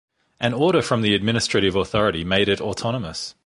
An Order from the administrative authority made it autonomous.